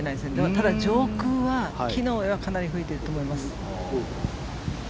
ただ上空は、木の上はかなり吹いていると思います。